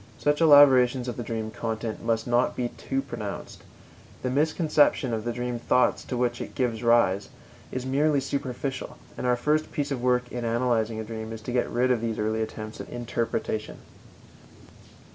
Such elaboration of the dream content must not be too pronounced; the misconception of the dream thoughts to which it gives rise is merely superficial, and our first piece of work in analyzing a dream is to get rid of these early attempts at interpretation.